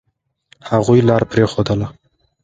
هغوی لار پرېښودله.